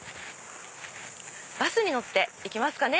バスに乗っていきますかね。